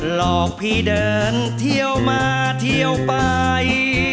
หลอกพี่เดินเที่ยวมาเที่ยวไป